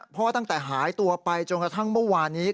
ตั้งแต่หายตัวไปจนกระทั่งเมื่อวานนี้